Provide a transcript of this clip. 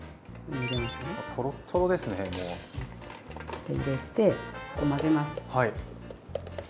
入れて混ぜます。